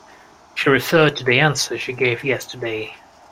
She referred to the answer she gave yesterday.